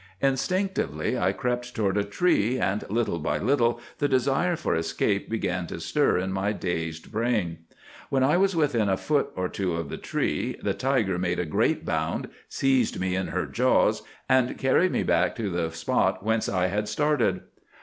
"'Instinctively I crept toward a tree, and little by little the desire for escape began to stir in my dazed brain. When I was within a foot or two of the tree the tiger made a great bound, seized me in her jaws, and carried me back to the spot whence I had started.